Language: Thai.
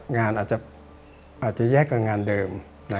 งานอาจจะแย่กว่างานเดิม